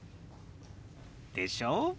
でしょ？